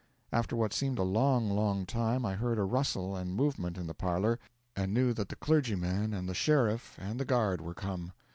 After what seemed a long, long time, I heard a rustle and movement in the parlour, and knew that the clergyman and the sheriff and the guard were come.